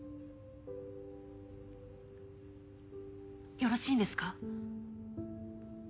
よろしいんですか？